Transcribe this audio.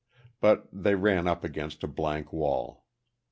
But they ran up against a blank wall.